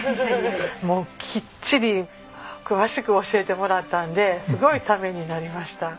もうきっちり詳しく教えてもらったんですごいためになりました。